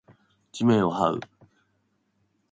地面を這う